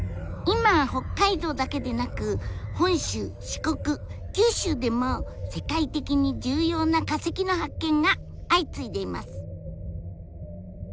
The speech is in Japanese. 今北海道だけでなく本州四国九州でも世界的に重要な化石の発見が相次いでいます。